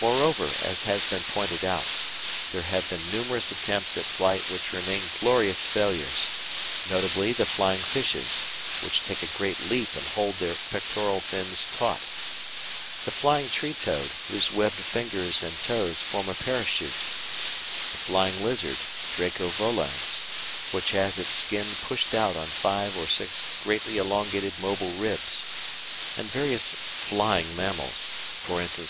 Moreover, as has been pointed out, there have been numerous attempts at flight which remain glorious failures, notably the flying fishes, which take a great leap and hold their pectoral fins taut; the Flying Tree Toad, whose webbed fingers and toes form a parachute; the Flying Lizard (Draco volans), which has its skin pushed out on five or six greatly elongated mobile ribs; and various "flying" mammals, e.